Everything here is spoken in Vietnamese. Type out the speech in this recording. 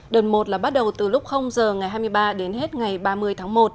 đợt một là bắt đầu từ lúc giờ ngày hai mươi ba đến hết ngày ba mươi tháng một